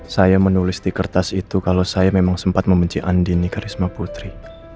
saya menulis di kertas itu kalau saya memang sempat membenci andini karisma putri